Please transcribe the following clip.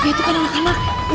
dia itu kan anak anak